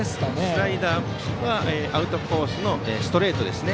スライダーかアウトコースのストレートですね。